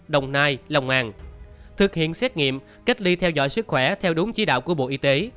đồng nai lòng an thực hiện xét nghiệm cách ly theo dõi sức khỏe theo đúng chỉ đạo của bộ y tế